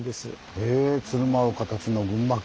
へえ「つる舞う形の群馬県」。